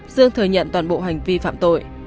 dương thừa nhận toàn bộ hành vi phạm tội